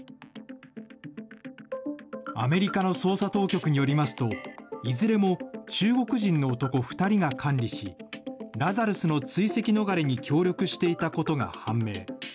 アメリカの捜査当局によりますと、いずれも中国人の男２人が管理し、ラザルスの追跡逃れに協力していたことが判明。